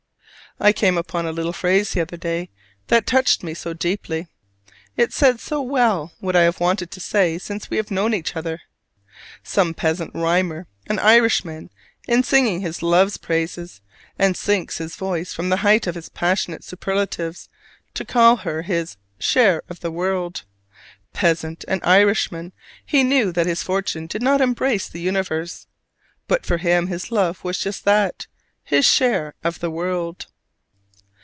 I came upon a little phrase the other day that touched me so deeply: it said so well what I have wanted to say since we have known each other. Some peasant rhymer, an Irishman, is singing his love's praises, and sinks his voice from the height of his passionate superlatives to call her his "share of the world." Peasant and Irishman, he knew that his fortune did not embrace the universe: but for him his love was just that his share of the world.